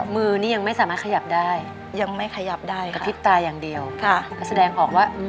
อเรนนี่แสดงออกทางสีหน้า